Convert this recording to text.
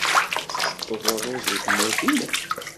Tettetteḍ ṛṛuz deg tmurt-nnem?